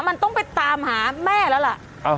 มันต้องไปตามหาแม่แล้วล่ะ